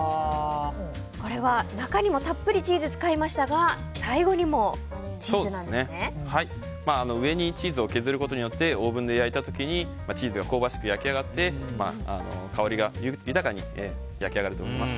これは中にも、たっぷりチーズを使いましたが上にチーズを削ることによってオーブンで焼いた時にチーズが香ばしく焼き上がって香りが豊かに焼き上がると思います。